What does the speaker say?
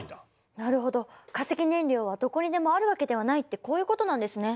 なるほど化石燃料はどこにでもあるわけではないってこういうことなんですね。